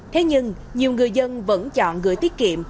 thế nhưng nhiều người dân vẫn chọn gửi tiết kiệm